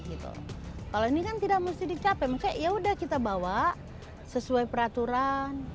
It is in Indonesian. kalau ini kan tidak mesti dicapai maksudnya ya sudah kita bawa sesuai peraturan